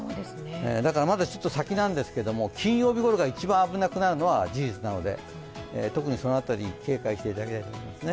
まだちょっと先なんですけども金曜日ごろが一番危なくなるのは事実なので特にその辺り、警戒していただければと思いますね。